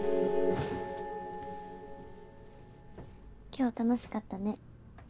今日楽しかったね。